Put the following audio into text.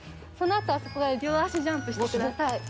そのあとは両足ジャンプしてください。